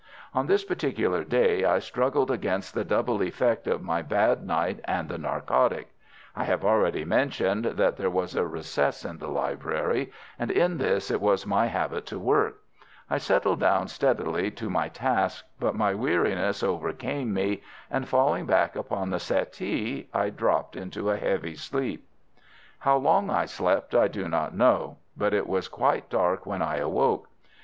On this particular day I struggled against the double effect of my bad night and the narcotic. I have already mentioned that there was a recess in the library, and in this it was my habit to work. I settled down steadily to my task, but my weariness overcame me and, falling back upon the settee, I dropped into a heavy sleep. How long I slept I do not know, but it was quite dark when I awoke.